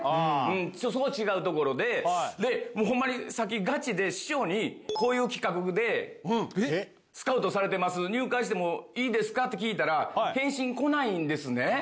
そこが違うところで、もうほんまに、さっきがちで師匠にこういう企画でスカウトされてます、入会してもいいですかって聞いたら、返信来ないんですね。